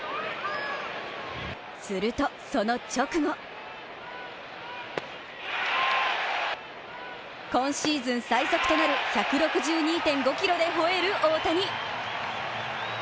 すると、その直後今シーズン最速となる１６２．５キロでほえる大谷。